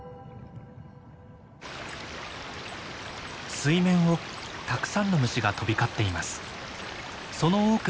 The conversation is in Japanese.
水面をたくさんの虫が飛び交っています。